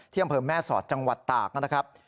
เที่ยงอำเภิร์มแม่ศรจังหวัดตากนะครับ